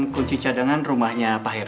kunci cadangan rumahnya pak heru